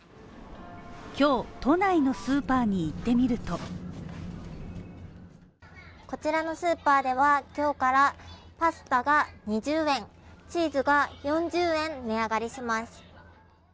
今日、都内のスーパーに行ってみるとこちらのスーパーでは、今日からパスタが２０円、チーズが４０円、値上がりします。